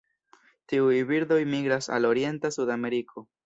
Tiuj birdoj migras al orienta Sudameriko.